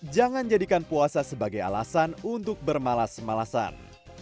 jangan jadikan puasa sebagai alasan untuk bermalas malasan